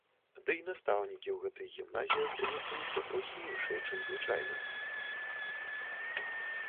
Дый настаўнікі ў гэтых гімназіях гуртуюцца трохі іншыя, чым звычайна.